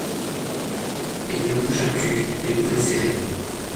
Et il ne bougea plus, les poings serrés.